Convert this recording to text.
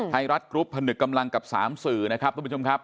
ไทยรัฐกรุ๊ปผนึกกำลังกับ๓สื่อนะครับทุกผู้ชมครับ